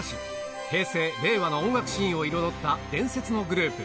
平成、令和の音楽シーンを彩った伝説のグループ。